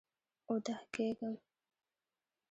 اوده کیږم